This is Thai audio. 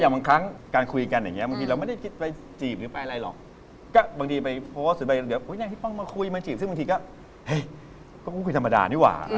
บางทียังมีแห่งที่พ่อนมาคุยมาจีบซึ่งบางทีก็ไอ้กูคุยธรรมดานี่หว่า